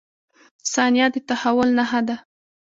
• ثانیه د تحول نښه ده.